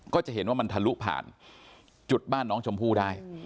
ก็จะเห็นว่ามันทะลุผ่านจุดบ้านน้องชมพู่ได้